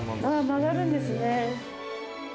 曲がるんですね。